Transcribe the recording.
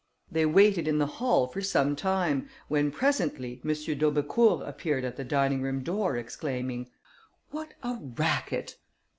They waited in the hall for some time, when presently M. d'Aubecourt appeared at the dining room door, exclaiming, "What a racket!"